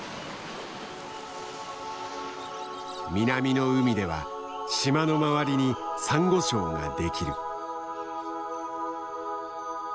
南の海では島の周りにサンゴ礁ができる。